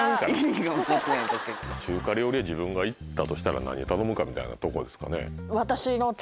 中華料理屋自分が行ったとしたら何頼むかみたいなとこですかね。